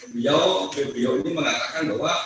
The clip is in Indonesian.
bio ini mengatakan bahwa